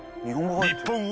日本語が。